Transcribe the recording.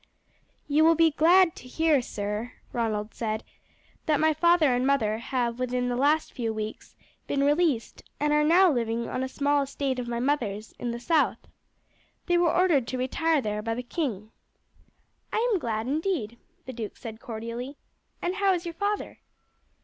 "You will be glad to hear, sir," Ronald said, "that my father and mother have within the last few weeks been released, and are now living on a small estate of my mother's in the south. They were ordered to retire there by the king." "I am glad, indeed," the duke said cordially; "and how is your father?"